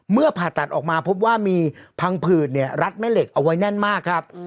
ผ่าตัดออกมาพบว่ามีพังผื่นรัดแม่เหล็กเอาไว้แน่นมากครับ